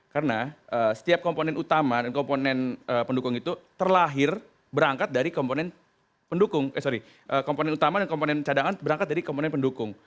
karena setiap komponen utama dan komponen cadangan berangkat dari komponen pendukung